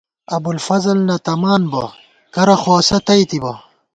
ابُوالفضل نہ تمان بہ ، کرہ خو اسہ تئیتِبہ